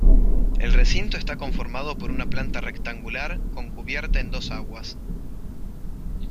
El recinto está conformado por una planta rectangular, con cubierta en dos aguas.